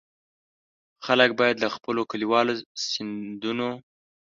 خلک باید له خپلو کلیوالو سیندونو.